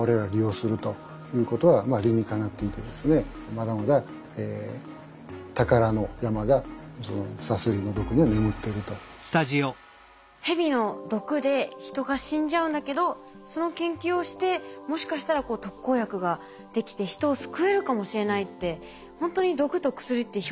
まだまだヘビの毒で人が死んじゃうんだけどその研究をしてもしかしたら特効薬が出来て人を救えるかもしれないってほんとにはい。